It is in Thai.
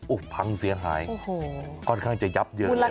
โอ้วพังเสียหายค่อนข้างจะยับเยอะเลยนะครับ